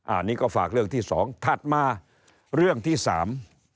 อันนี้ก็ฝากเรื่องที่สองถัดมาเรื่องที่สาม